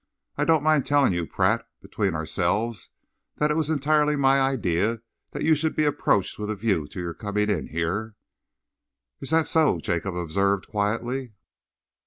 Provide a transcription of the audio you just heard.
I don't mind telling you, Pratt, between ourselves, that it was entirely my idea that you should be approached with a view to your coming in here." "Is that so?" Jacob observed quietly.